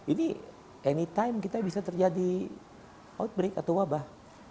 ini anytime kita bisa terjadi outbreak atau wabah